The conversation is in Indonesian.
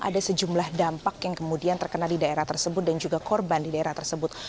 ada sejumlah dampak yang kemudian terkena di daerah tersebut dan juga korban di daerah tersebut